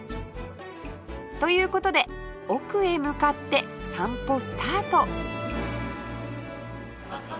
という事で奥へ向かって散歩スタート！